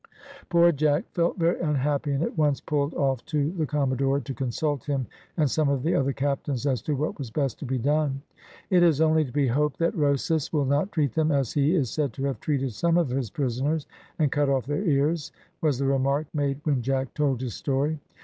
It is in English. Poor Jack felt very unhappy, and at once pulled off to the commodore, to consult him and some of the other captains as to what was best to be done. "It is only to be hoped that Rosas will not treat them as he is said to have treated some of his prisoners, and cut off their ears," was the remark made when Jack told his story.